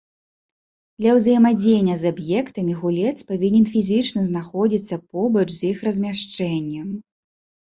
Для ўзаемадзеяння з аб'ектамі гулец павінен фізічна знаходзіцца побач з іх размяшчэннем.